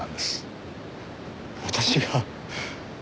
私が？